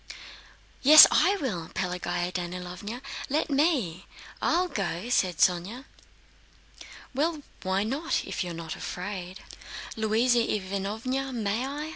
"Yes, I will; Pelagéya Danílovna, let me! I'll go," said Sónya. "Well, why not, if you're not afraid?" "Louisa Ivánovna, may I?"